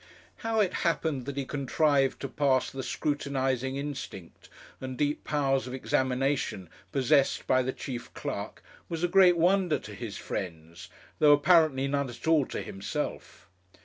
How it happened that he contrived to pass the scrutinizing instinct and deep powers of examination possessed by the chief clerk, was a great wonder to his friends, though apparently none at all to himself.